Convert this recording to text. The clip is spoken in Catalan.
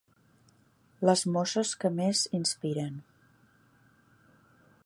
Les mosses que més inspiren.